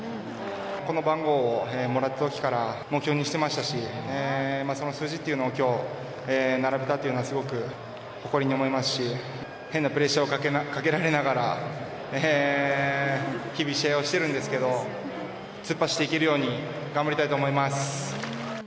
この番号をもらったときから目標にしてましたし、その数字っていうのを、きょう、並べたというのは、すごく誇りに思いますし、変なプレッシャーをかけられながら、日々試合をしてるんですけど、突っ走っていけるように頑張りたいと思います。